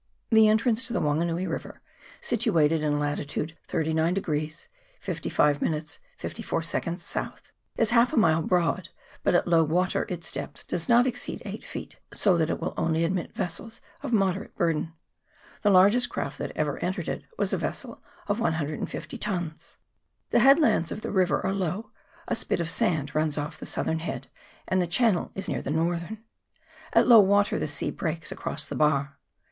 The entrance to the Wanganui river, situated in latitude 39 55' 54" S., is half a mile broad, but at low water its depth does not exceed eight feet, so that it will only admit vessels of moderate bur den. The largest craft that ever entered it was a vessel of 150 tons. The headlands of the river are low ; a spit of sand runs off the southern head, and the channel is near the northern. At low water the sea breaks across the bar.